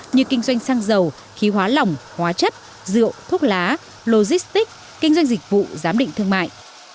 như kinh doanh xăng dầu khí hóa lỏng hóa chất rượu thuốc lá logistic kinh doanh dịch vụ giám định thương mại